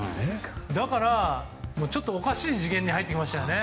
だから、おかしい次元に入ってきましたよね。